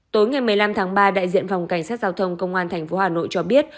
tối ngày một mươi năm tháng ba đại diện phòng cảnh sát giao thông công an tp hà nội cho biết